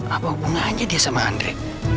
apa hubungannya dia sama andre